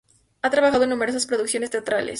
Ha trabajado en numerosas producciones teatrales.